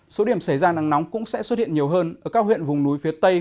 số điểm xảy ra nắng nóng cũng sẽ xuất hiện nhiều hơn ở các huyện vùng núi phía tây